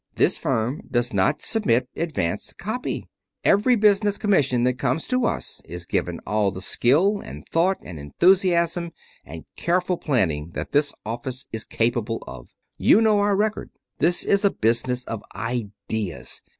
This firm does not submit advance copy. Every business commission that comes to us is given all the skill, and thought, and enthusiasm, and careful planning that this office is capable of. You know our record. This is a business of ideas.